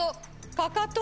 かかと？